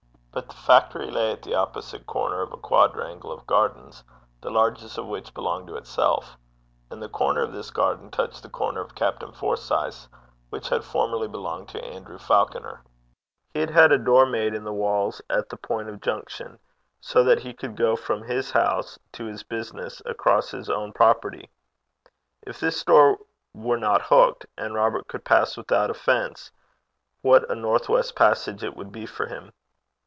But the factory lay at the opposite corner of a quadrangle of gardens, the largest of which belonged to itself; and the corner of this garden touched the corner of Captain Forsyth's, which had formerly belonged to Andrew Falconer: he had had a door made in the walls at the point of junction, so that he could go from his house to his business across his own property: if this door were not locked, and Robert could pass without offence, what a north west passage it would be for him!